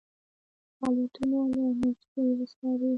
فعالیتونه له نیژدې وڅاري.